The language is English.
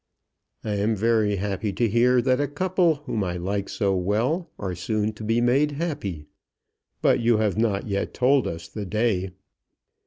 "I am very happy to hear that a couple whom I like so well are soon to be made happy. But you have not yet told us the day."